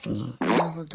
なるほど。